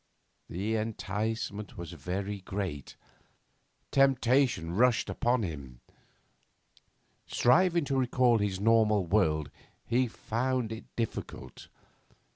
The enticement was very great; temptation rushed upon him. Striving to recall his normal world, he found it difficult.